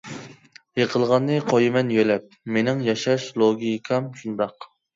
يىقىلغاننى قويىمەن يۆلەپ، مېنىڭ ياشاش لوگىكام شۇنداق.